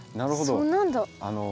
そうなんだ。